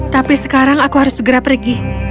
tapi sekarang aku harus segera pergi